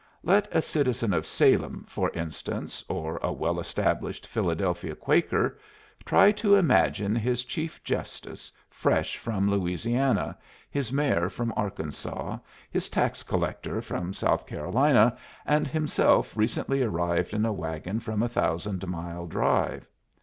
Let a citizen of Salem, for instance, or a well established Philadelphia Quaker, try to imagine his chief justice fresh from Louisiana, his mayor from Arkansas, his tax collector from South Carolina, and himself recently arrived in a wagon from a thousand mile drive.